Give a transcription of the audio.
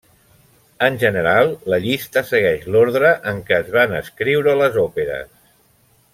En general, la llista segueix l'ordre en què es van escriure les òperes.